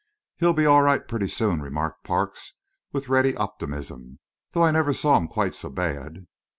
"He'll be all right pretty soon," remarked Parks, with ready optimism. "Though I never saw him quite so bad."